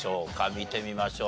見てみましょう。